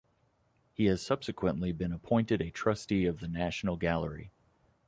He has subsequently been appointed a trustee of the National Gallery.